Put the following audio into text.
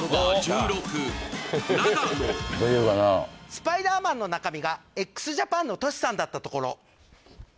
「スパイダーマンの中身がＸＪＡＰＡＮのＴｏｓｈｌさんだったところ」